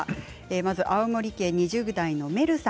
まず青森県の２０代の方。